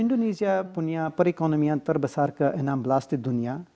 indonesia punya perekonomian terbesar ke enam belas di dunia